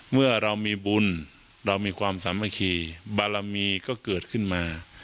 เมื่อเรามีบุญเรามีความสามัคคีบารมีก็เกิดขึ้นมา